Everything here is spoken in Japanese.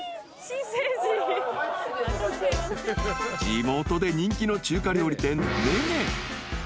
［地元で人気の中華料理店禰禰］